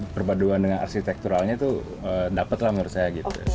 perpaduan dengan arsitekturalnya itu dapat lah menurut saya gitu